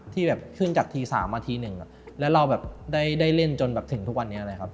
ที่ขึ้นจากที๓มาที๑แล้วเราได้เล่นจนถึงทุกวันนี้